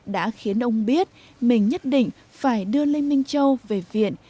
đã khiến ông biết mình nhất định phải đưa lê minh châu về viện